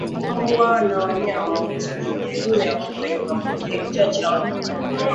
Mbwa na wanyama wa mwituni jamii ya mbwa wenye maambukizi ya kichaa cha mbwa